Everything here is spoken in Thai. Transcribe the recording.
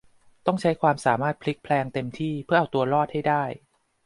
ต้องใช้ความสามารถพลิกแพลงเต็มที่เพื่อเอาตัวรอดให้ได้